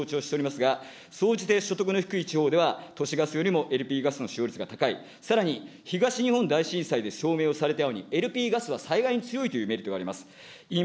都市ガスの支援は政府が検討されていると承知をしておりますが、総じて所得の低い地方では、都市ガスよりもＬＰガスの使用率が高い、さらに東日本大震災で証明をされたように、ＬＰガスは災害に強いというメリットがあります。